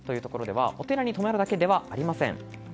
お寺に泊まるだけではありません。